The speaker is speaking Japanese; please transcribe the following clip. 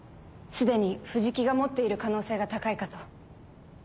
既に藤木が持っている可能性が高いかと。